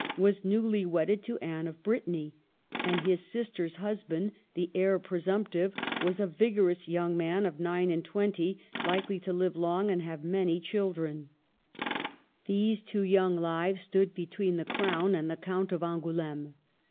was newly wedded to Anne of Brittany, and his sister's husband, the heir presumptive, was a vigorous young man of nine and twenty, likely to live long and have many children. l6 MARGARET OF ANGOUL^ME. These two young lives stood between the Crown and the Count of Angouleme.